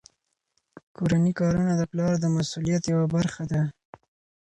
کورني کارونه د پلار د مسؤلیت یوه برخه ده.